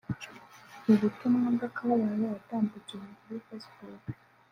Mu butumwa bw'akababaro yatambukije kuri Facebook